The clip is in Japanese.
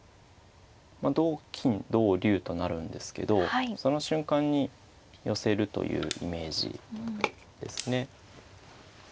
同金同竜となるんですけどその瞬間に寄せるというイメージですね。